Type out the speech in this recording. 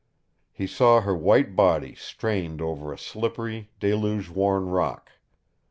He saw her white body strained over a slippery, deluge worn rock.